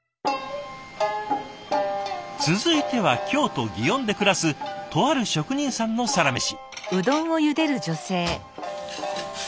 続いては京都・園で暮らすとある職人さんのサラメシ。